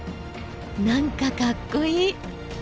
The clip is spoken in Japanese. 何かかっこいい！